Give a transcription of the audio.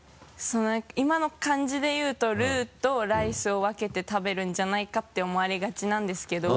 その何か今の感じで言うとルーとライスを分けて食べるんじゃないかって思われがちなんですけど。